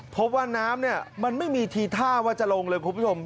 พบว่าน้ำเนี่ยมันไม่มีทีท่าว่าจะลงเลยคุณผู้ชม